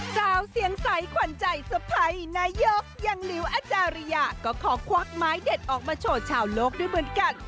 สาวเสียงใสขวัญใจสะพัยนายกอย่างหลิวอาจารยาก็ขอควักไม้เด็ดออกมาโชว์ชาวโลกด้วยเหมือนกัน